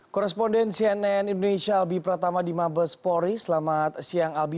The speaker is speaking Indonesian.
koresponden cnn indonesia albi pratama di mabespori selamat siang albi